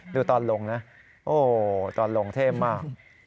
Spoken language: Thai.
ดูตอนลงนะโอ้ตอนลงเท่มาก